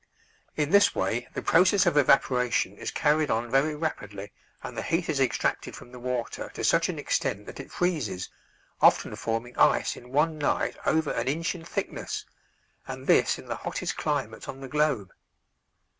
In this way the process of evaporation is carried on very rapidly and the heat is extracted from the water to such an extent that it freezes, often forming ice in one night over an inch in thickness, and this in the hottest climates on the globe.